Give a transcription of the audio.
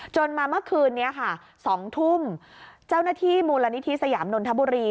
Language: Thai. มาเมื่อคืนนี้ค่ะ๒ทุ่มเจ้าหน้าที่มูลนิธิสยามนนทบุรี